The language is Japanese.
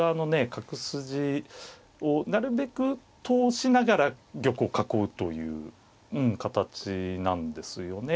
角筋をなるべく通しながら玉を囲うという形なんですよね。